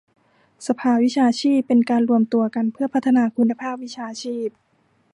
สภาวิชาชีพเป็นการรวมตัวกันเพื่อพัฒนาคุณภาพวิชาชีพ